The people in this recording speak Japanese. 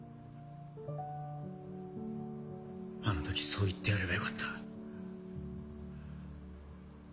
あの時そう言ってやればよかった。